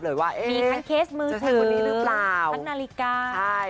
มีค้นเคสมือถือค้นนาฬิกา